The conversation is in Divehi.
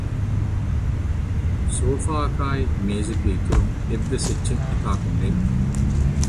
ސޯފާއަކާއި މޭޒެއްގެ އިތުރުން އެއްވެސް އެއްޗެއް އެތާކު ނުވެ